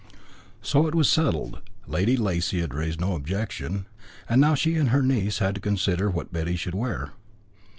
So it was settled. Lady Lacy had raised no objection, and now she and her niece had to consider what Betty should wear.